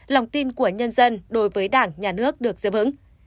lòng tin của nhân dân đối với đảng nhà nước được giữ vững